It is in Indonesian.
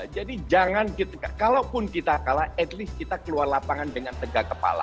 jadi jangan kita kalaupun kita kalah setidaknya kita keluar lapangan dengan tegak kepala